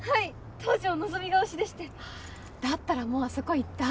東條希が推しでしてだったらもうあそこ行った？